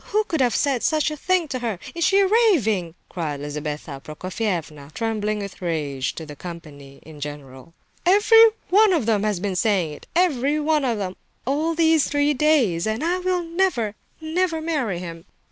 Who could have said such a thing to her? Is she raving?" cried Lizabetha Prokofievna, trembling with rage, to the company in general. "Every one of them has been saying it—every one of them—all these three days! And I will never, never marry him!"